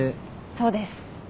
そうです。